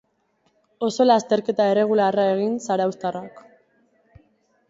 Oso lasterketa erregularra egin zarauztarrak.